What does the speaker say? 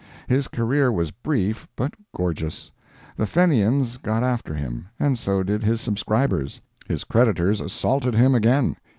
His career was brief but gorgeous. The Fenians got after him, and so did his subscribers. His creditors assaulted him again.